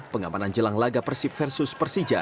pengamanan jelang laga persib versus persija